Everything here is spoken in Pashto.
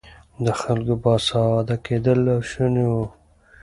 د خلکو باسواده کول ناشوني وو.